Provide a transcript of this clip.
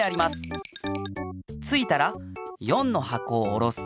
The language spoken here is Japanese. ついたら４のはこをおろす。